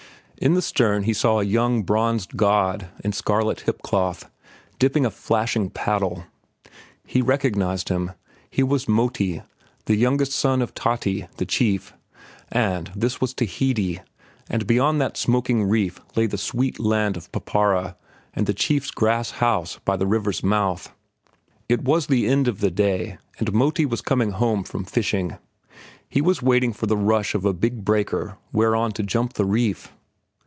In the stern he saw a young bronzed god in scarlet hip cloth dipping a flashing paddle. He recognized him. He was Moti, the youngest son of Tati, the chief, and this was Tahiti, and beyond that smoking reef lay the sweet land of Papara and the chief's grass house by the river's mouth. It was the end of the day, and Moti was coming home from the fishing. He was waiting for the rush of a big breaker whereon to jump the reef.